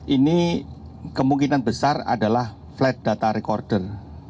ini kemungkinan besar adalah flight data recorder